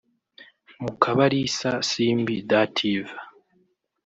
Mukabalisa Simbi Dative